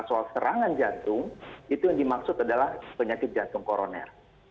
soal serangan jantung itu yang dimaksud adalah penyakit jantung koroner